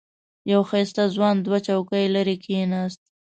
یو ښایسته ځوان دوه چوکۍ لرې کېناست.